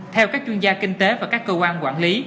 theo các chuyên gia kinh tế và các cơ quan quản lý